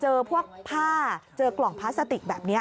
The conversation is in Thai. เจอพวกผ้าเจอกล่องพลาสติกแบบนี้